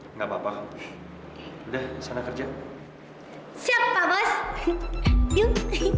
enggak papa udah sana kerja siapa bos yuk